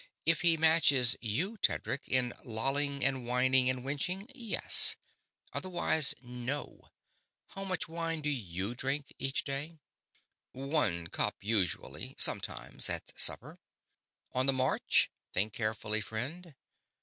"If he matches you, Tedric, in lolling and wining and wenching, yes. Otherwise, no. How much wine do you drink, each day?" "One cup, usually sometimes at supper." "On the march? Think carefully, friend."